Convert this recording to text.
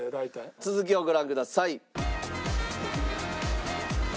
続きをご覧ください。